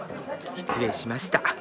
失礼しました。